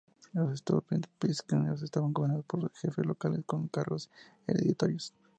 Los "estados principescos" estaban gobernados por jefes locales, con cargos hereditarios.